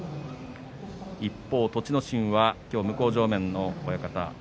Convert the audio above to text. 一方、栃ノ心は今日向正面の親方